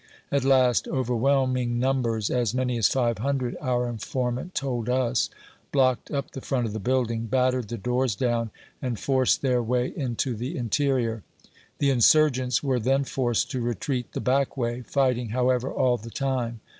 At last, overwhelm ing numbers, as many as five hundred, our informant told us, blocked up the front of the building, battered the doors down, and forced their way into the interior. The insurgents were then forced to retreat the back way, fighting, however, all the time.